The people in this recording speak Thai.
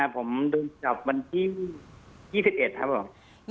ผมโดนจับวันที่๒๑ครับผม